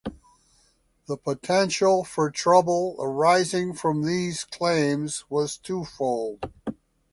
The potential for trouble arising from these claims was twofold.